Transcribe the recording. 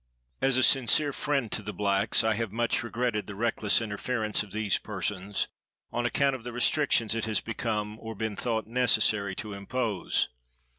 As a sincere friend to the blacks, I have much regretted the reckless interference of these persons, on account of the restrictions it has become, or been thought, necessary to impose.